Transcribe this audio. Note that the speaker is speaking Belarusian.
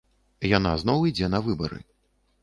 Яна зноў ідзе на выбары.